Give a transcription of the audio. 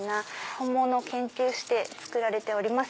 本物を研究して作られております。